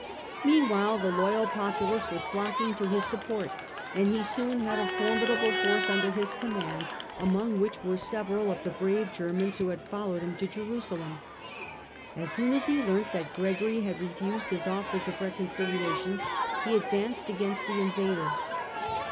Meanwhile the loyal populace was flocking to his support and he soon had a formidable force under his command, among which were several of the brave Germans who had followed him to Jerusalem. As soon as he learnt that Gregory had refused his offers of reconciliation, he advanced against the invaders.